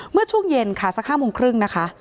เมื่อช่วงเย็นค่ะสัก๕โมงครึ่งนะคะ